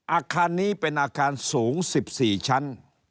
อาคารนี้เป็นอาคารสูง๑๔ชั้น